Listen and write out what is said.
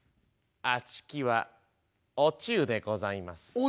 「あちきはお中でございます」。